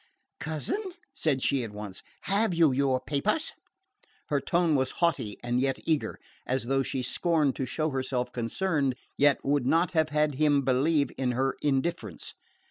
"Cousin," said she at once, "have you your papers?" Her tone was haughty and yet eager, as though she scorned to show herself concerned, yet would not have had him believe in her indifference.